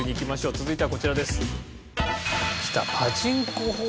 続いてはこちらです。